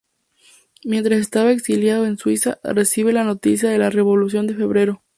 Mientras estaba exiliado en Suiza, recibe la noticia de la Revolución de Febrero.